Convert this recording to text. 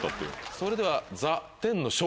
それでは。